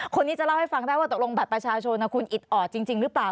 คนนี้จะเล่าให้ฟังได้ว่าตกลงบัตรประชาชนคุณอิดออดจริงหรือเปล่า